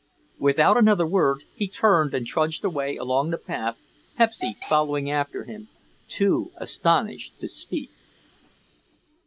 Without another word he turned and trudged away along the path, Pepsy following after him, too astonished to speak.